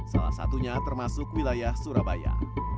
salah satunya termasuk wilayah surabaya